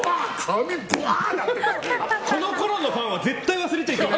このころのファンは絶対忘れちゃいけない。